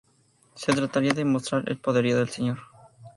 Se trataría de mostrar el poderío del señor.